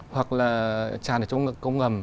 hoặc là tràn ở trong cổng ngầm